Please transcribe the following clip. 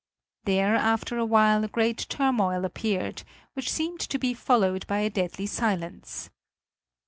There after a while a great turmoil appeared, which seemed to be followed by a deadly silence.